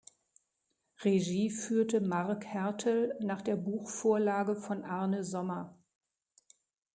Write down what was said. Regie führte Marc Hertel nach der Buchvorlage von Arne Sommer.